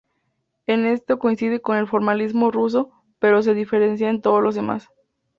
En esto coincide con el formalismo ruso, pero se diferencia en todo lo demás.